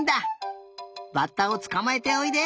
バッタをつかまえておいで！